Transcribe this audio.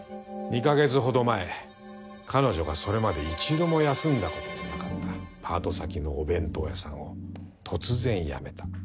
２カ月ほど前彼女がそれまで一度も休んだことのなかったパート先のお弁当屋さんを突然辞めた。